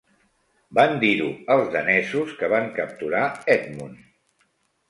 Van dir-ho als danesos, que van capturar Edmund.